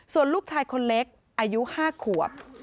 ส่วนลูกชายคนเล็กอายุ๕ขวบ